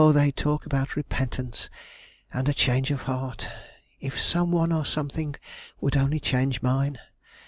they talk about repentance and a change of heart! If some one or something would only change mine!